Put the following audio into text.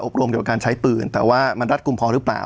รวมเกี่ยวกับการใช้ปืนแต่ว่ามันรัดกลุ่มพอหรือเปล่า